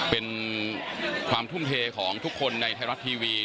เป็นความทุ่มเทของทุกคนในไทยรัฐทีวี